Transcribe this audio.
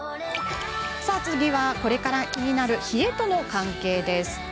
次は、これから気になる冷えとの関係。